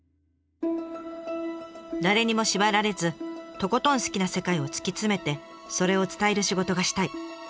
「誰にも縛られずとことん好きな世界を突き詰めてそれを伝える仕事がしたい」。